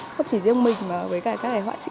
không chỉ riêng mình mà với các hoạ sĩ